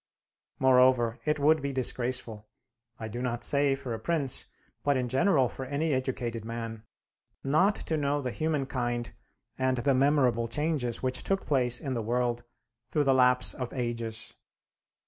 Moreover, it would be disgraceful, I do not say for a prince, but in general for any educated man, not to know the human kind and the memorable changes which took place in the world through the lapse of ages.